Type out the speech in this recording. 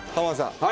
はい。